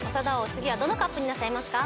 次はどのＣＵＰになさいますか？